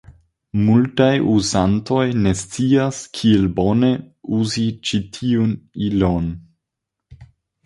Multaj uzantoj ne scias kiel bone uzi ĉi tiun ilon.